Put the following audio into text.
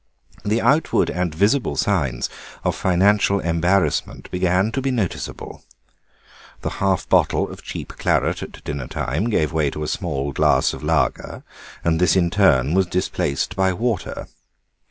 The outward and visible signs of financial embarrassment began to be noticeable; the half bottle of cheap claret at dinner time gave way to a small glass of lager, and this in turn was displaced by water.